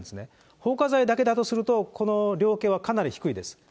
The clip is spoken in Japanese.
放火罪だけだとすると、この量刑はかなり低いです。